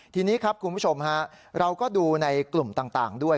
ทีนี้ครับคุณผู้ชมฮะเราก็ดูในกลุ่มต่างด้วย